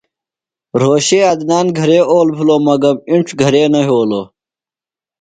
رھوشے عدنان گھرے اول بِھلوۡ۔ مگم اِنڇ گھرے نہ یھولوۡ۔